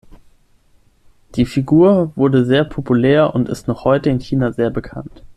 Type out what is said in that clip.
Die Figur wurde sehr populär und ist noch heute in China sehr bekannt.